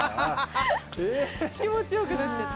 気持ち良くなっちゃって。